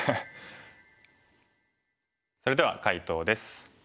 それでは解答です。